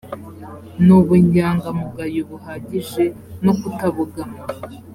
n ubunyangamugayo buhagije no kutabogama